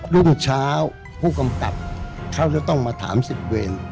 รุ่งเช้าผู้กำกับเขาจะต้องมาถาม๑๐เวร